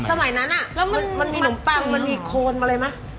สมัยนั้นมันมีหนุ่มปังมันมีโคนอะไรมะ